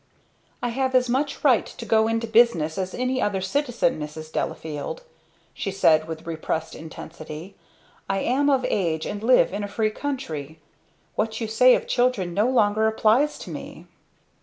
"I have as much right to go into business as any other citizen, Mrs. Delafield," she said with repressed intensity. "I am of age and live in a free country. What you say of children no longer applies to me."